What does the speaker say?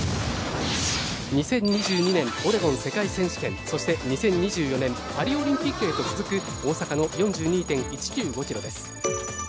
２０２２年オレゴン世界選手権そして２０２４年パリオリンピックへと続く大阪の４２．１９５キロです。